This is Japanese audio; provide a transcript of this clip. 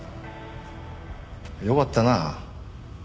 よかったなあ。